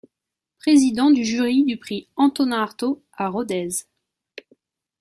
Président du jury du Prix Antonin-Artaud à Rodez.